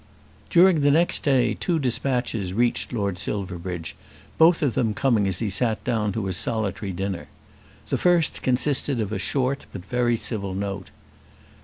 During the next day two despatches reached Lord Silverbridge, both of them coming as he sat down to his solitary dinner. The first consisted of a short but very civil note.